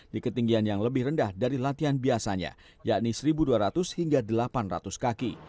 di ketinggian yang lebih rendah dari latihan biasanya yakni satu dua ratus hingga delapan ratus kaki